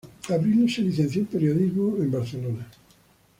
Abril se licenció en periodismo en Barcelona.